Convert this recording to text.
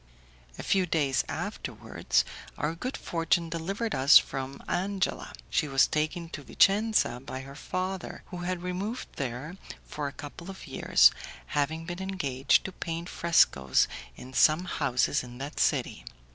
A few days afterwards our good fortune delivered us from Angela; she was taken to Vicenza by her father, who had removed there for a couple of years, having been engaged to paint frescoes in some houses in that city.